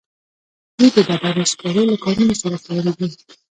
دوی د ډبرو سکارو له کانونو سره تړلي دي